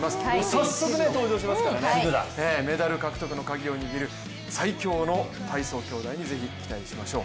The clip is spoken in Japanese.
早速登場しますからね、メダル獲得の鍵を握る最強の体操兄弟にぜひ期待しましょう。